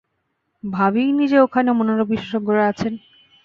ভাবিইনি যে ওখানেও মনোরোগ বিশেষজ্ঞরা আছেন।